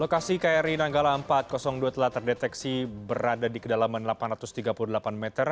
lokasi kri nanggala empat ratus dua telah terdeteksi berada di kedalaman delapan ratus tiga puluh delapan meter